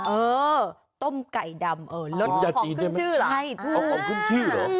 เออต้มไก่ดำหอมขึ้นชื่อเหรออ๋อหอมขึ้นชื่อเหรอ